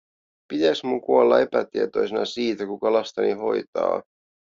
Pitääks mun kuolla epätietoisena siitä, kuka lastani hoitaa?